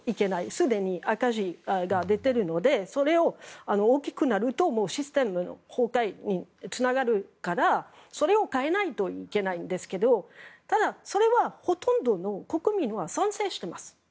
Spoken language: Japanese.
すでに赤字が出てるのでそれが大きくなるとシステムの崩壊につながるからそれを変えないといけないんですけどただ、それはほとんどの国民は賛成してます。